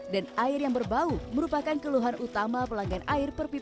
dan air yang berbau merupakan keluhan utama pelanggan air yang berbau